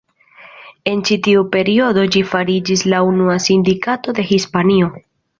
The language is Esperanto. En ĉi tiu periodo ĝi fariĝis la unua sindikato de Hispanio.